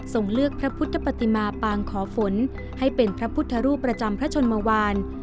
เลือกพระพุทธปฏิมาปางขอฝนให้เป็นพระพุทธรูปประจำพระชนมวาน